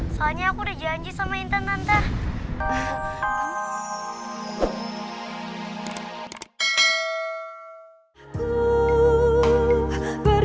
soalnya aku udah janji sama intan mantan